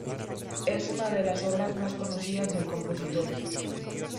Es una de las obras más conocidas del compositor.